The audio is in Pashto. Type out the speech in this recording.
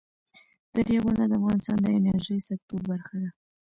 دریابونه د افغانستان د انرژۍ سکتور برخه ده.